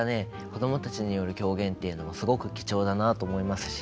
子供たちによる狂言というのもすごく貴重だなと思いますし。